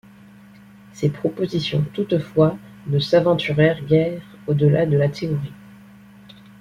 Ses propositions toutefois ne s’aventurèrent guère au-delà de la théorie.